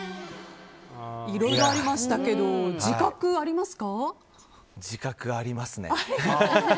いろいろありましたけど自覚ありますか？